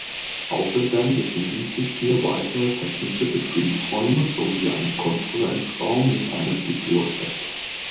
Außerdem befinden sich hier weitere technische Betriebsräume sowie ein Konferenzraum mit einer Bibliothek.